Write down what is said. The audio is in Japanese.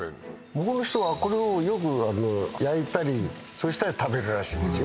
向こうの人はこれをよく焼いたりそうしたら食べるらしいですよ